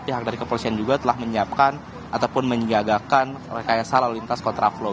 pihak dari kepolisian juga telah menyiapkan ataupun menyiagakan rekayasa lalu lintas kontraflow